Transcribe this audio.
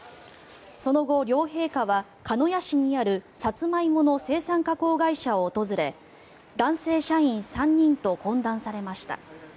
その後、両陛下は鹿屋市にあるサツマイモの生産加工会社を訪れ男性社員３人と懇談されました。